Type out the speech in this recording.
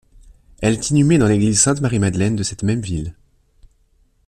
Elle est inhumée dans l'église Sainte-Marie-Madeleine de cette même ville.